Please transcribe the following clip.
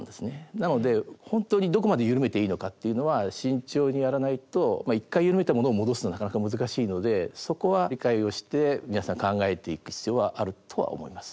なので本当にどこまで緩めていいのかっていうのは慎重にやらないと一回緩めたものを戻すのはなかなか難しいのでそこは理解をして皆さん考えていく必要はあるとは思います。